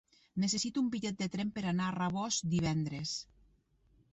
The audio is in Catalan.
Necessito un bitllet de tren per anar a Rabós divendres.